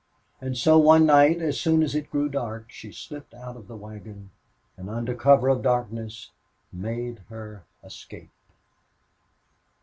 And so one night, as soon as it grew dark, she slipped out of the wagon and, under cover of darkness, made her escape.